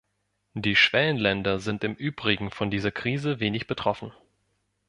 Die Schwellenländer sind im Übrigen von dieser Krise wenig betroffen.